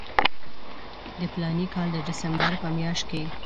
د فلاني کال د ډسمبر په میاشت کې.